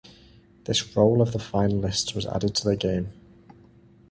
This role of the finalists was added to the game.